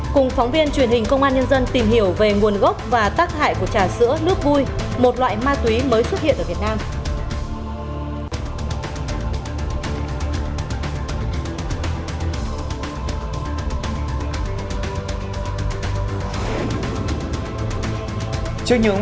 cùng phóng viên truyền hình công an nhân dân tìm hiểu về nguồn gốc và tác hại của trà sữa nước vui một loại ma túy mới xuất hiện ở việt nam